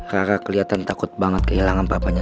rara keliatan takut banget kehilangan papanya